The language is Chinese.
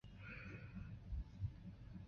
行政中心位于弗克拉布鲁克。